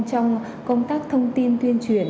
trong công tác thông tin tuyên truyền